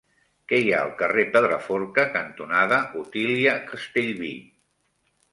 Què hi ha al carrer Pedraforca cantonada Otília Castellví?